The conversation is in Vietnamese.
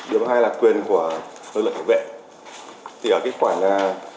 điều thứ hai là quyền của lực lượng cảnh vệ